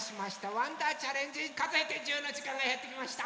「わんだーチャレンジかぞえて１０」のじかんがやってきました。